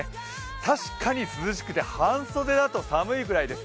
確かに涼しくて半袖だと寒いぐらいです。